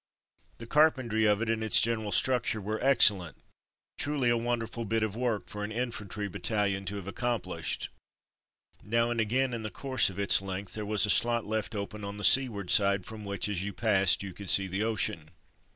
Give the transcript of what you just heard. The carpentry of it and its general structure were excellent — truly a wonderful bit of work for an infantry battal ion to have accomplished. Now and again in the course of its length there was a slot left open on the seaward side from which, as you passed, you could see the ocean.